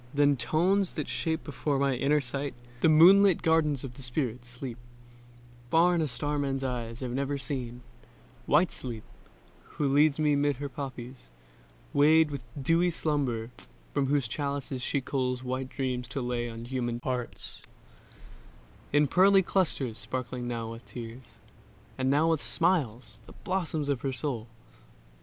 Then tones that shape before my inner sight The moonlit gardens of the spirit, Sleep, Far on a star man's eyes have never seen: White Sleep, who leads me 'mid her poppies, weighed With dewy slumber; from whose chalices She culls white dreams to lay on human hearts In pearly clusters sparkling now with tears And now with smiles; the blossoms of her soul.